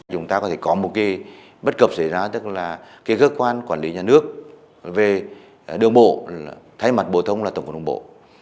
chúng ta có thể có một cái bất cập xảy ra tức là cái cơ quan quản lý nhà nước về đường bộ thay mặt bộ thông là tổng cục đồng bộ